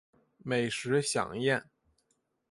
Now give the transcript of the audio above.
美食飨宴